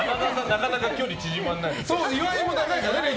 なかなか距離縮まらないです。